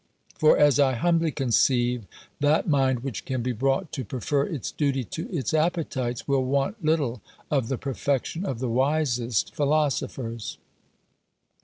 For, as I humbly conceive, that mind which can be brought to prefer its duty to its appetites, will want little of the perfection of the wisest philosophers.